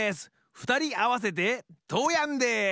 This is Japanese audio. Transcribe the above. ふたりあわせてトーヤンです！